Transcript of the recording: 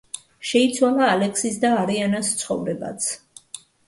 შეიცვალა ალექსის და არიანას ცხოვრებაც.